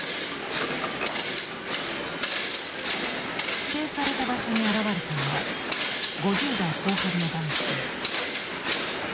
指定された場所に現れたのは５０代後半の男性。